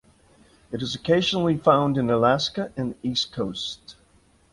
It is occasionally found in Alaska and the East Coast.